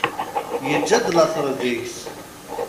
Yeǧǧa-d later deg-s.